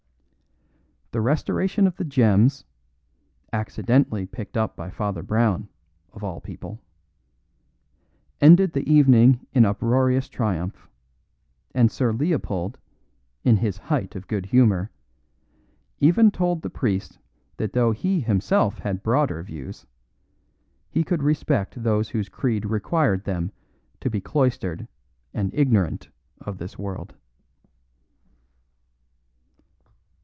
The restoration of the gems (accidentally picked up by Father Brown, of all people) ended the evening in uproarious triumph; and Sir Leopold, in his height of good humour, even told the priest that though he himself had broader views, he could respect those whose creed required them to be cloistered and ignorant of this world.